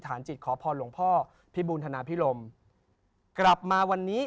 อธิษภาณาจิตขอพรหลวงพ่อพิฟณฑนาภิรมทรัพย์